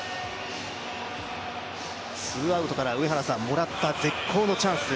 ツーアウトからもらった絶好のチャンス。